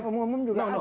yang umum umum juga ada